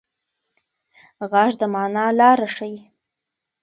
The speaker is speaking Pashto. غږ د مانا لاره ښيي.